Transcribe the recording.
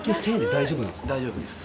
大丈夫です。